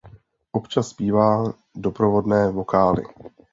Občas zpívá doprovodné vokály.